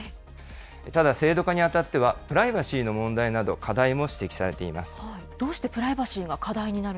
ただ、制度化にあたってはプライバシーの問題など、課題も指摘さどうしてプライバシーが課題